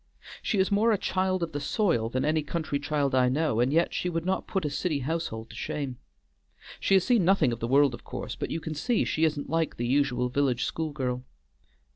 She is more a child of the soil than any country child I know, and yet she would not put a city household to shame. She has seen nothing of the world of course, but you can see she isn't like the usual village school girl.